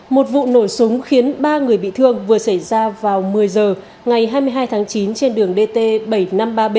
một vụ nổ súng khiến ba người bị thương vừa xảy ra vào một mươi giờ ngày hai mươi hai tháng chín trên đường điện